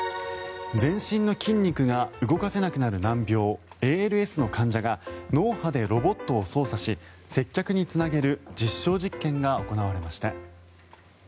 全身の筋肉が動かせなくなる難病ＡＬＳの患者が脳波でロボットを操作し接客につなげる実証実験が行われました。